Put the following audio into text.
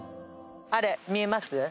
あれ見えます？